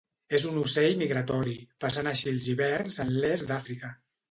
És un ocell migratori, passant així els hiverns en l'Est d'Àfrica.